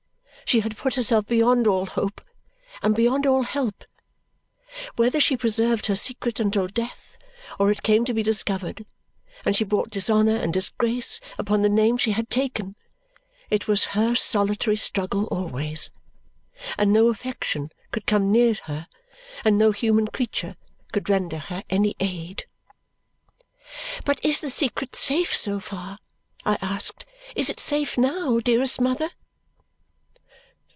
She had put herself beyond all hope and beyond all help. Whether she preserved her secret until death or it came to be discovered and she brought dishonour and disgrace upon the name she had taken, it was her solitary struggle always; and no affection could come near her, and no human creature could render her any aid. "But is the secret safe so far?" I asked. "Is it safe now, dearest mother?"